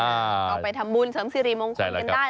เอาไปทำบุญเสริมองคลกันได้